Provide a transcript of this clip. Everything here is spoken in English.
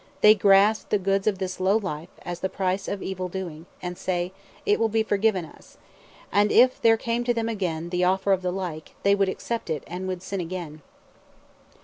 They grasp the goods of this low life (as the price of evil doing) and say: It will be forgiven us. And if there came to them (again) the offer of the like, they would accept it (and would sin again).